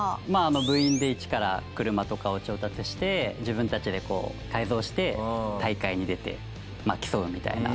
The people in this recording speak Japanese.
部員で一から車とかを調達して自分たちでこう改造して大会に出て競うみたいな。